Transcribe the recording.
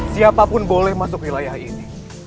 siapapun boleh masuk wilayah ini